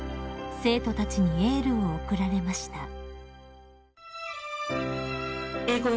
［生徒たちにエールを送られました］